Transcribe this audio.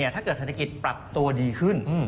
ถ้าเกิดเศรษฐกิจปรับตัวดีขึ้น